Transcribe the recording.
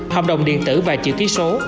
học đồng điện tử và chữ ký số